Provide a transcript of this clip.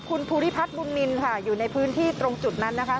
คุณภูริพัฒน์บุญนินค่ะอยู่ในพื้นที่ตรงจุดนั้นนะคะ